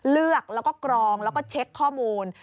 เลือกแล้วก็กรองแล้วก็เช็คข้อมูล